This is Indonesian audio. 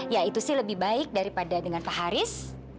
ya itu sih lebih baik daripada dengan pak haris